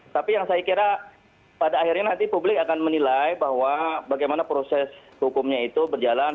tapi yang saya kira pada akhirnya nanti publik akan menilai bahwa bagaimana proses hukumnya itu berjalan